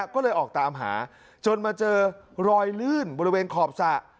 ก็เลยออกตามหาจนมาเจอรอยลื่นบริเวณขอบสระ